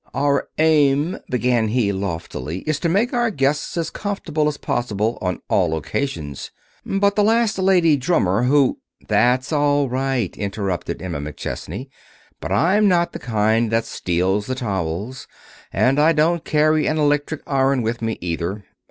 "Our aim," began he, loftily, "is to make our guests as comfortable as possible on all occasions. But the last lady drummer who " "That's all right," interrupted Emma McChesney, "but I'm not the kind that steals the towels, and I don't carry an electric iron with me, either.